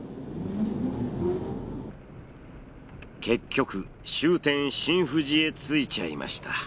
結局終点新富士へ着いちゃいました。